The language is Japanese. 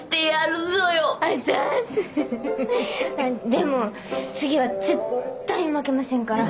でも次は絶対負けませんから。